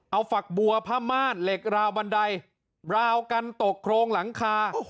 เอาฝักบัวผ้าม่านเหล็กราวบันไดราวกันตกโครงหลังคา